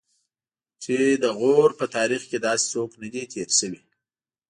چې د غور په تاریخ کې داسې څوک نه دی تېر شوی.